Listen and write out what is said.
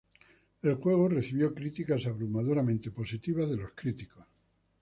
El juego recibió críticas abrumadoramente positivas de los críticos.